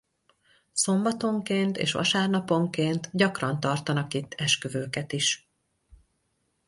Szombatonként és vasárnaponként gyakran tartanak itt esküvőket is.